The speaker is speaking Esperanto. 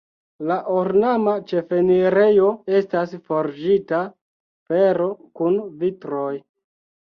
La ornama ĉefenirejo estas forĝita fero kun vitroj.